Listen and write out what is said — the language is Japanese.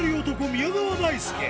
宮川大輔